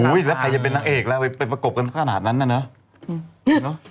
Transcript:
แล้วใครจะเป็นนางเอกแล้วไปประกบกันขนาดนั้นน่ะเนอะ